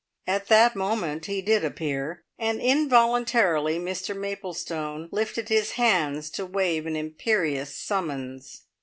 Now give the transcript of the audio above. At that moment he did appear, and involuntarily Mr Maplestone lifted his hands to wave an imperious summons.